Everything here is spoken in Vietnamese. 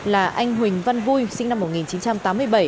là anh huỳnh văn vui sinh năm một nghìn chín trăm tám mươi bảy